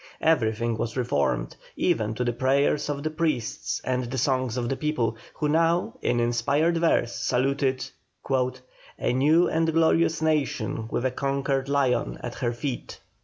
Everything was reformed, even to the prayers of the priests and the songs of the people, who now in inspired verse saluted, "A new and glorious Nation, With a conquered lion at her feet."